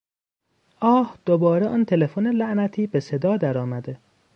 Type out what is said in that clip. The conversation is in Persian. آه دوباره آن تلفن لعنتی به صدا درآمده.